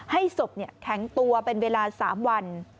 ให้ศพแข็งตัวเป็นเวลา๓วัน